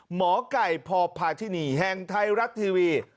หมอก่ายพอพาธินีแห่งไทรรัททีวี